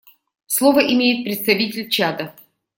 Слово имеет представитель Чада.